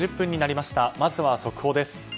まずは、速報です。